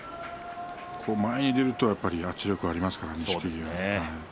前に出るとやっぱり圧力がありますから、錦木は。